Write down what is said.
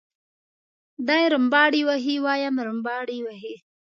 دی رمباړې وهي وایم رمباړې وهي.